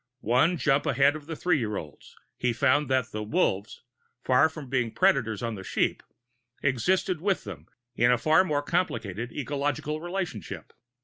One jump ahead of the three year olds, he found that the "wolves," far from being predators on the "sheep," existed with them in a far more complicated ecological relationship.